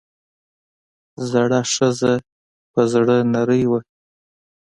زړه ښځه پۀ زړۀ نرۍ وه ـ